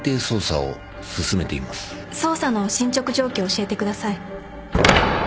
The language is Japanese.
捜査の進捗状況教えてください。